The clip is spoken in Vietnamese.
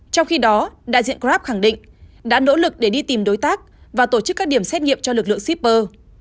trong khi đó đại diện grab khẳng định đã nỗ lực để đi tìm đối tác và tổ chức các điểm xét nghiệm cho lực lượng shipper